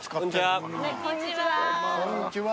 こんにちは。